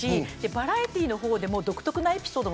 バラエティーでも独特なエピソード